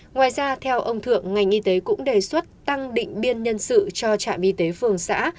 ngoài ra theo ông thượng ngành y tế cũng đề xuất tăng định biên nhân sự cho trạm y tế phường xã